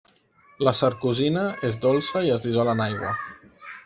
La sarcosina és dolça i es dissol en aigua.